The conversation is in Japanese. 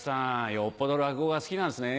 よっぽど落語が好きなんですね。